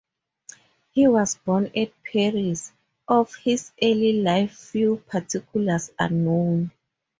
He was born at Paris; of his early life few particulars are known.